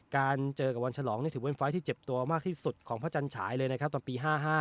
เจอกับวันฉลองนี่ถือเป็นไฟล์ที่เจ็บตัวมากที่สุดของพระจันฉายเลยนะครับตอนปี๕๕